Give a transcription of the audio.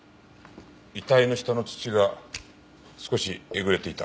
遺体の下の土が少しえぐれていた。